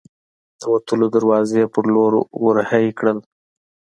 د وتلو دروازې په لور ور هۍ کړل.